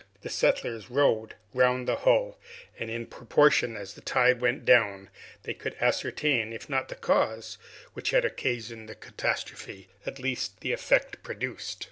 The settlers rowed round the hull, and in proportion as the tide went down, they could ascertain, if not the cause which had occasioned the catastrophe, at least the effect produced.